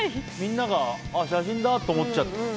みんなが写真だと思っちゃって。